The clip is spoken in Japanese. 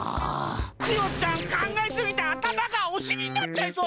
クヨちゃんかんがえすぎてあたまがおしりになっちゃいそう！